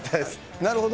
なるほど。